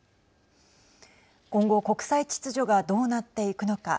今後国際秩序がどうなっていくのか。